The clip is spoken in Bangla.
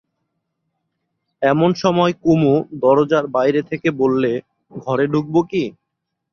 এমন সময় কুমু দরজার বাইরে থেকে বললে, ঘরে ঢুকব কি?